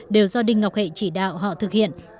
đều do đinh ngọc hệ chỉ đạo họ thực hiện